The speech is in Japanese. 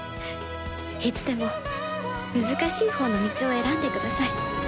いつでも難しい方の道を選んでください。